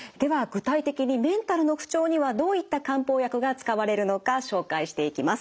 具体的にメンタルの不調にはどういった漢方薬が使われるのか紹介していきます。